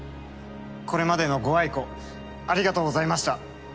これまでのご愛顧ありがとうございました。